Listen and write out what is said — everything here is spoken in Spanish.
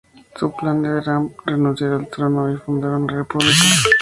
Su plan será renunciar al trono y fundar una república.